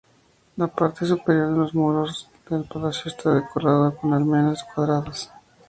La parte superior de los muros del palacio está decorado con almenas cuadradas.